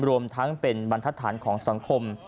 รวมทั้งเป็นบรรทัศนของสังคม